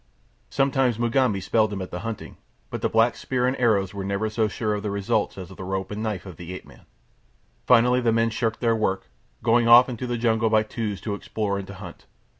Sometimes Mugambi spelled him at the hunting; but the black's spear and arrows were never so sure of results as the rope and knife of the ape man. Finally the men shirked their work, going off into the jungle by twos to explore and to hunt.